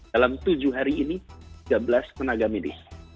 dalam tujuh hari ini tiga belas tenaga medis